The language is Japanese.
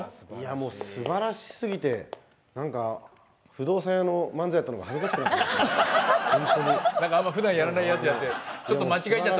すばらしすぎてなんか、不動産屋の漫才をやったのが恥ずかしくなっちゃった。